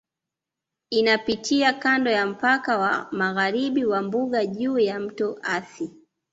Inapitia kando ya mpaka wa magharibi wa Mbuga juu ya Mto Athi